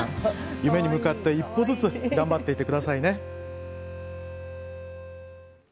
夢に向かって一歩ずつ頑張っていってくださいね。